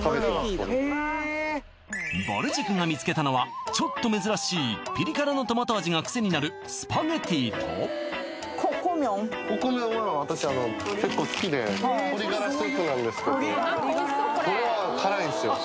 これぼる塾が見つけたのはちょっと珍しいピリ辛のトマト味がクセになるスパゲッティとココ麺ココ麺は私結構好きで鶏ガラスープなんですけどこれは辛いんですよ